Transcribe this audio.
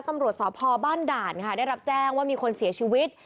ตำรวจสพบ้านด่านค่ะได้รับแจ้งว่ามีคนเสียชีวิต